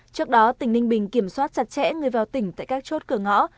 trước đó tỉnh ninh bình kiểm soát chặt chẽ người vào tỉnh tại các chốt cửa ngõ